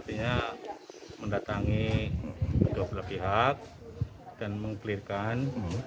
ini sudah mendatangi dua pihak dan mengkelirkan